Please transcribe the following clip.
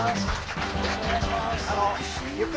よろしくお願いします。